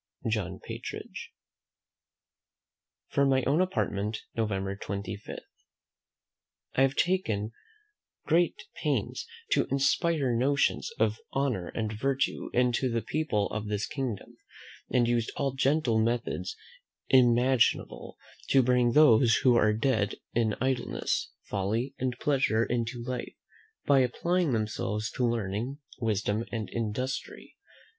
"J. P." From my own Apartment, November 25. I have already taken great pains to inspire notions of honour and virtue into the people of this kingdom, and used all gentle methods imaginable, to bring those who are dead in idleness, folly, and pleasure, into life, by applying themselves to learning, wisdom, and industry.